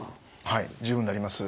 はい十分なります。